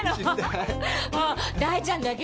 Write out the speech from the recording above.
もう大ちゃんだけよ。